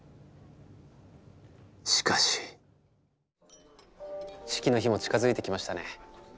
しかし式の日も近づいてきましたね。